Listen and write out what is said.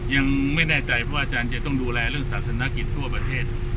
ยังไม่แน่ใจเพราะว่าอาจารย์จะต้องดูแลเรื่องศาสนกิจทั่วประเทศ